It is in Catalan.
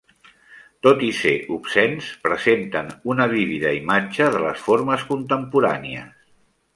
Tot i ser obscens, presenten una vívida imatge de les formes contemporànies.